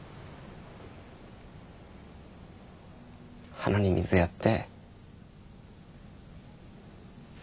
花に水やって。